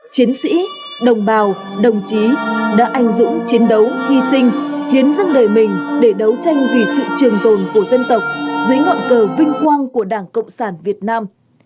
chiến sĩ đồng bào đồng chí đã anh dũng chiến đấu hy sinh hiến dâng đời mình để đấu tranh vì sự trường tồn của dân tộc dưới ngọn cờ vinh quang của đảng cộng sản việt nam